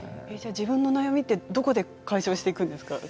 自分の悩みはどこで解消していくんですか。